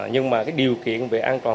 nhưng mà điều kiện về an toàn